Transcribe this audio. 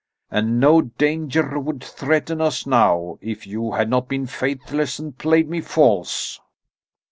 And no danger would threaten us now, if you had not been faithless and played me false."